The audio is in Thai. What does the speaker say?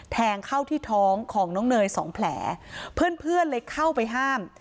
แทงเข้าที่ท้องของน้องเนยสองแผลเพื่อนเพื่อนเลยเข้าไปห้าม